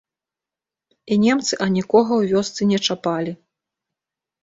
І немцы анікога ў вёсцы не чапалі.